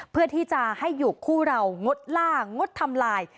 เพื่อที่จะให้อยู่คู่เรางดล่างดทำลาย